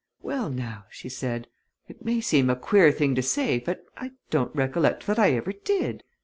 "Well, now," she said, "it may seem a queer thing to say, but I don't recollect that I ever did!